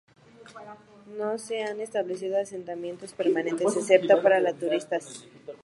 No se han establecido asentamientos permanentes, excepto para los turistas.